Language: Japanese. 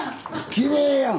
きれいやん。